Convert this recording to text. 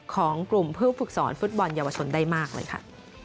ของกลุ่มผู้ฝึกสอนฟุตบอลเยาวชนได้มากเลยค่ะ